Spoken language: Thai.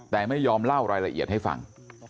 แต่ไม่ยอมเล่ารายละเอียดให้ฟัง